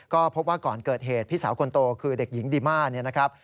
ก็พบว่าก่อนเกิดเหตุพี่สาวกนโตคือเด็กหญิงดิมา